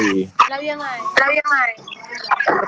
แล้วยังไง